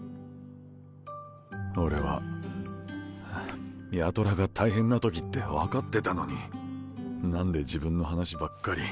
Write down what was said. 俺は八虎が大変なときって分かってたのになんで自分の話ばっかり。